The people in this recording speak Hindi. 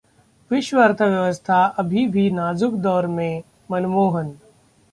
विश्व अर्थव्यवस्था अभी भी नाजुक दौर में: मनमोहन